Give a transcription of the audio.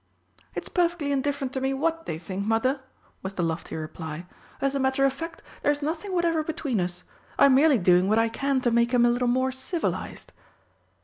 "It's perfectly indifferent to me what they think, Mother," was the lofty reply. "As a matter of fact, there is nothing whatever between us. I am merely doing what I can to make him a little more civilised."